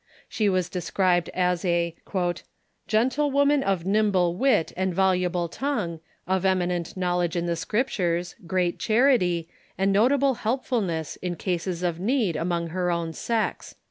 She was described as a on roversy "gentlewoman of nimble wit and voluble tongue, of eminent knowledge in the Scriptures, great charity, and notable helpfulness in cases of need among her own sex."